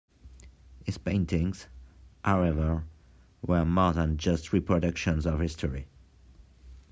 His paintings, however, were more than just reproductions of history.